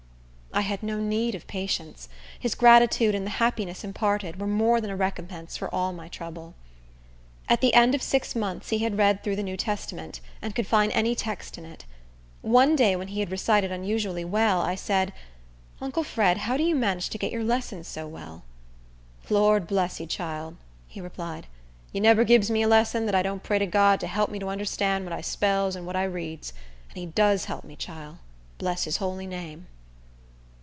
I had no need of patience. His gratitude, and the happiness imparted, were more than a recompense for all my trouble. At the end of six months he had read through the New Testament, and could find any text in it. One day, when he had recited unusually well, I said, "Uncle Fred, how do you manage to get your lessons so well?" "Lord bress you, chile," he replied. "You nebber gibs me a lesson dat I don't pray to God to help me to understan' what I spells and what I reads. And he does help me, chile. Bress his holy name!"